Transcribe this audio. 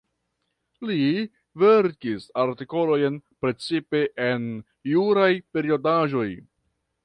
Li verkis artikolojn precipe en juraj periodaĵoj.